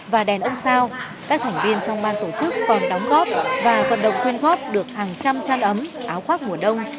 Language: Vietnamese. và đèn ông sao các thành viên trong ban tổ chức còn đóng góp và vận động quyên góp được hàng trăm chăn ấm áo khoác mùa đông